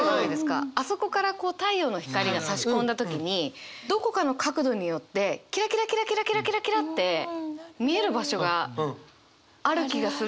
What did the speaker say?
あそこからこう太陽の光がさし込んだ時にどこかの角度によってキラキラキラキラキラキラキラって見える場所がある気がするんですよ。